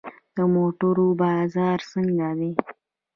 د موټرو بازار څنګه دی؟